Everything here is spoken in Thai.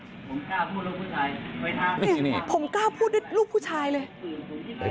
ผมกล้าพูดรูปผู้ชายนี่ผมกล้าพูดรูปผู้ชายเลย